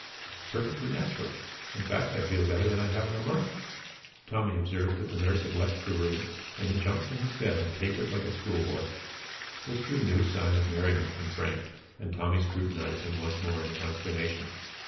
"Perfectly natural. In fact I feel better than I have in a month." Tommy observed that the nurse had left the room and he jumped from his bed and capered like a school boy. This drew no sign of merriment from Frank, and Tommy scrutinized him once more in consternation.